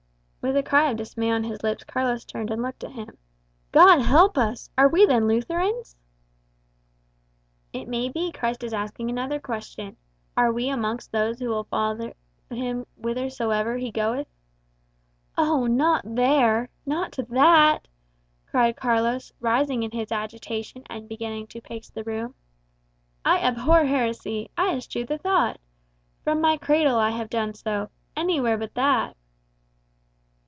With a cry of dismay on his lips, Carlos turned and looked at him "God help us! Are we then Lutherans?" "It may be Christ is asking another question Are we amongst those who follow him whithersoever he goeth?" "Oh, not there not to that!" cried Carlos, rising in his agitation and beginning to pace the room. "I abhor heresy I eschew the thought. From my cradle I have done so. Anywhere but that!"